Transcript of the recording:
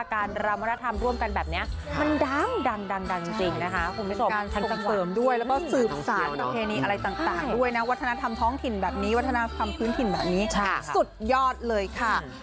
คนมาสนใจซื้อผ้าไทยมากขึ้น